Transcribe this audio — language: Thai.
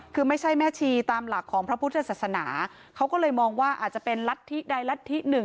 คือไม่ใช่แม่ชีตามหลักของพระพุทธศาสนาเขาก็เลยมองว่าอาจจะเป็นรัฐธิใดลัทธิหนึ่ง